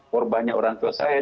korbannya orang tua saya